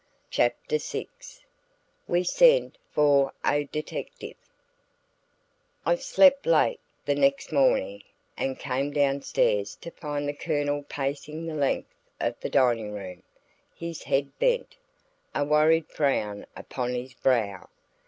CHAPTER VI WE SEND FOR A DETECTIVE I slept late the next morning, and came down stairs to find the Colonel pacing the length of the dining room, his head bent, a worried frown upon his brow.